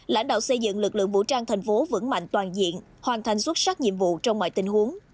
lãnh đạo xây dựng lực lượng vũ trang thành phố vững mạnh toàn diện hoàn thành xuất sắc nhiệm vụ trong mọi tình huống